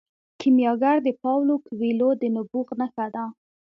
کیمیاګر د پاولو کویلیو د نبوغ نښه ده.